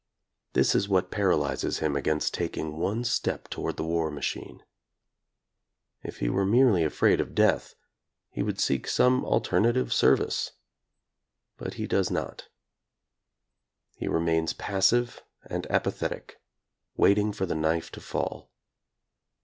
This is what paralyzes him against taking one step toward the war machine. If he were merely afraid of death, he would seek some alternative service. But he does not. He remains passive and apathetic, waiting for the knife to fall.